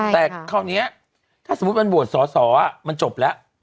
แต่คราวนี้ถ้าสมมุติมันโหวตสอสอมันจบแล้ว